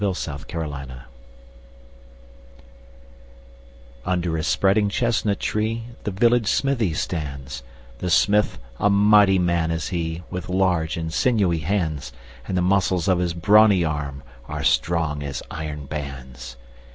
The Village Blacksmith UNDER a spreading chestnut tree The village smithy stands; The smith, a mighty man is he, With large and sinewy hands; And the muscles of his brawny arm Are strong as iron bands.